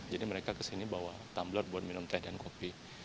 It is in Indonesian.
jadi mereka kesini bawa tumbler buat minum teh dan kopi